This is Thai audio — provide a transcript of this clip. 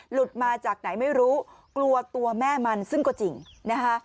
หลุดมาจากไหนไม่รู้กลัวตัวแม่มันซึ่งก็จริงนะคะ